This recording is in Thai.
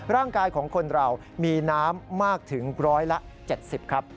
ร่างกายของคนเรามีน้ำมากถึงร้อยละ๗๐ครับ